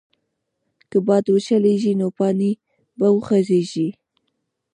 که باد وچلېږي، نو پاڼې به وخوځېږي.